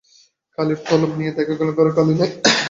কালির কলম নিয়ে দেখা গেল ঘরে কালি নেই।